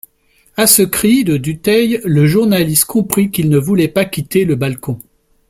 A ce cri de Dutheil, le journaliste comprit qu'il ne voulait pas quitter le balcon.